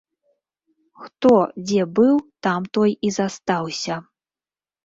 Хто дзе быў, там той і застаўся.